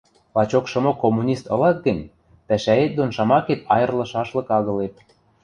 Лачокшымок коммунист ылат гӹнь, пӓшӓэт дон шамакет айырлышашлык агылеп